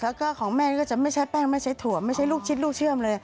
แล้วก็ของแม่นี่ก็จะไม่ใช้แป้งไม่ใช้ถั่วไม่ใช่ลูกชิ้นลูกเชื่อมเลย